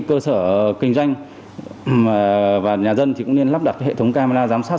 cơ sở kinh doanh và nhà dân thì cũng nên lắp đặt hệ thống camera giám sát